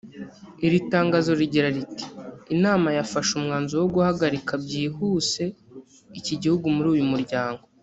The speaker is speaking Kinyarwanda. Iri tangazo rigira riti “Inama yafashe umwanzuro wo guhagarika byihuse iki gihugu muri uyu muryango”